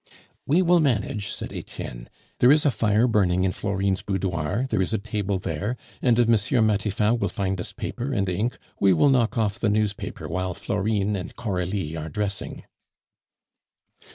"We will manage," said Etienne. "There is a fire burning in Florine's boudoir; there is a table there; and if M. Matifat will find us paper and ink, we will knock off the newspaper while Florine and Coralie are dressing."